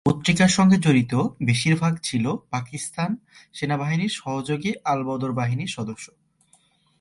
পত্রিকার সঙ্গে জড়িত বেশির ভাগ ছিল পাকিস্তান সেনাবাহিনীর সহযোগী আলবদর বাহিনীর সদস্য।